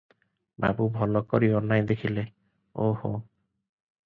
ବାବୁ ଭଲ କରି ଅନାଇ ଦେଖିଲେ, ‘ଓହୋ!